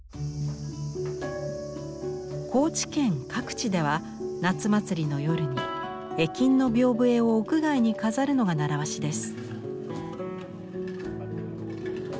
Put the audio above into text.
高知県各地では夏祭りの夜に絵金の屏風絵を屋外に飾るのが習わしです。